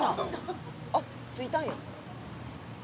あっ着いたんや。